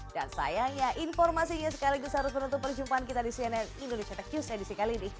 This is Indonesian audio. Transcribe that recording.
dan sayangnya informasinya sekaligus harus menutup perjumpaan kita di cnn indonesia tech news edisi kali ini